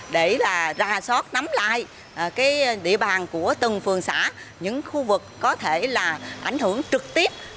để là ra soát nắm lại địa bàn của từng phường xã những khu vực có thể là ảnh hưởng trực tiếp